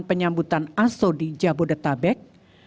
penyambutan aso di jabodetabek